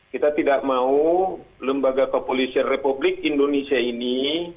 kita tidak mau lembaga kepolisian republik indonesia ini